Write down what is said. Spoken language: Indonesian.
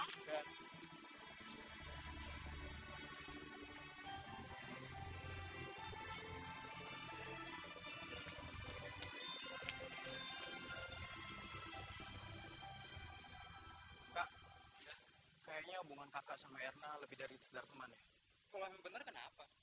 hai kak kayaknya hubungan kakak sama erna lebih dari sedar teman ya kalau bener bener kenapa